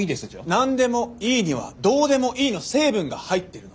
「なんでもいい」には「どうでもいい」の成分が入ってるの。